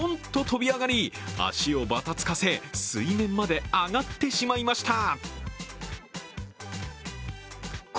飛び上がり足をばたつかせ水面まで上がってしまいました。